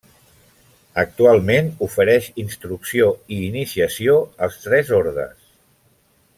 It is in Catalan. Actualment ofereix instrucció i iniciació als Tres Ordes.